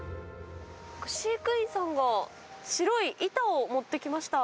飼育員さんが白い板を持ってきました。